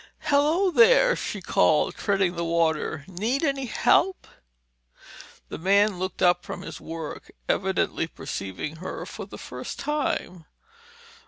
"Hello, there!" she called, treading water. "Need any help?" The man looked up from his work, evidently perceiving her for the first time.